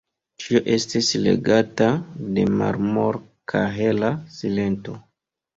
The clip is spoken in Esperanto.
Ĉio estis regata de marmor-kahela silento.